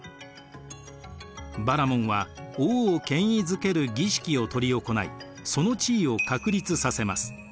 バラモンは王を権威づける儀式を執り行いその地位を確立させます。